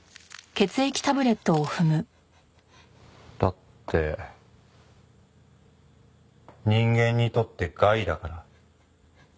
だって人間にとって害だから。